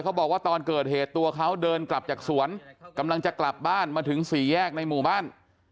บอกว่าตอนเกิดเหตุตัวเขาเดินกลับจากสวนกำลังจะกลับบ้านมาถึงสี่แยกในหมู่บ้าน